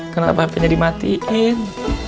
kenapa hapenya dimatiin